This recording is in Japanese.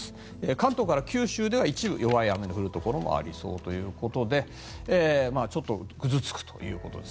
関東から九州では一部弱い雨の降るところもありそうということでちょっとぐずつくということです。